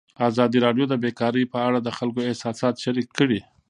ازادي راډیو د بیکاري په اړه د خلکو احساسات شریک کړي.